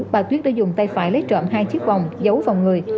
bà tuyết đã dùng tay phải lấy trộm hai chiếc vòng giấu vòng người